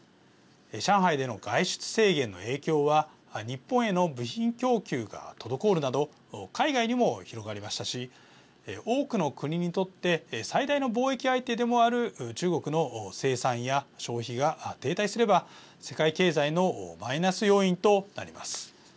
上海での外出制限の影響は日本への部品供給が滞るなど海外にも広がりましたし多くの国にとって最大の貿易相手でもある中国の生産や消費が停滞すれば世界経済のマイナス要因となります。